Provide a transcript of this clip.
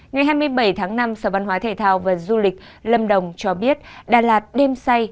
ngày hai mươi bảy tháng năm sở văn hóa thể thao và du lịch lâm đồng cho biết đà lạt đêm say